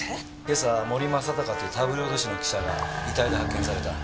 今朝森正孝っていうタブロイド紙の記者が遺体で発見された。